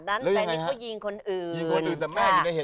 ดั้งนี้ก็ยิงคนอื่น